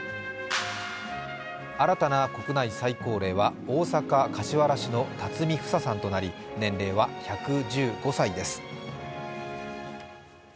新たな国内最高齢は大阪・柏原市の巽フサさんとなり、年齢は１１５歳です。